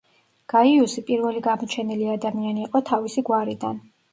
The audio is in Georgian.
გაიუსი პირველი გამოჩენილი ადამიანი იყო თავისი გვარიდან.